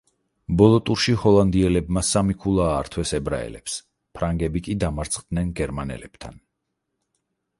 ბოლო ტურში ჰოლანდიელებმა სამი ქულა აართვეს ებრაელებს, ფრანგები კი დამარცხდნენ გერმანელებთან.